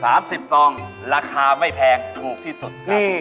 สิบซองราคาไม่แพงถูกที่สุดครับ